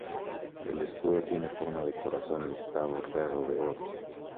El escudo tiene forma de corazón y está bordeado de oro.